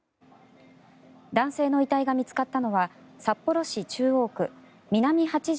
男性の遺体が見つかったのは札幌市中央区南８条